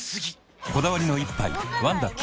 こだわりの一杯「ワンダ極」